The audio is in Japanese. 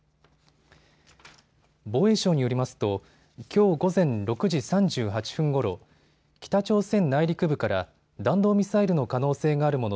防衛省によりますときょう午前６時３８分ごろ、北朝鮮内陸部から弾道ミサイルの可能性があるもの